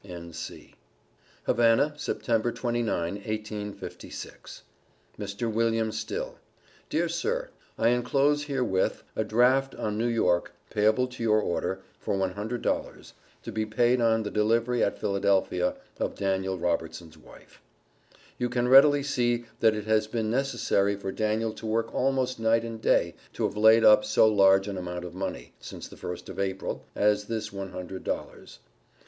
N.C. HAVANA, Sept. 29, 1856. MR. WM. STILL Dear Sir: I enclose herewith a draft on New York, payable to your order, for $100, to be paid on the delivery at Philadelphia of Daniel Robertson's wife. You can readily see that it has been necessary for Daniel to work almost night and day to have laid up so large an amount of money, since the first of April, as this one hundred dollars.